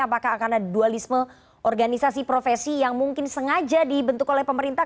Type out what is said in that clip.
apakah akan ada dualisme organisasi profesi yang mungkin sengaja dibentuk oleh pemerintah